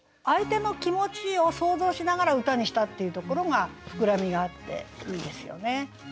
相手の気持ちを想像しながら歌にしたっていうところが膨らみがあっていいですよね。